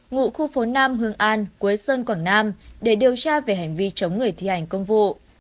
ngụ khu phố nam hương an quế sơn quảng nam để điều tra về hành vi chống người thi hành công vụ